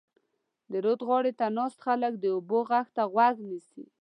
د رود غاړې ته ناست خلک د اوبو غږ ته غوږ نیسي.